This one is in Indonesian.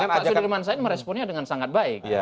pak sudirman said meresponnya dengan sangat baik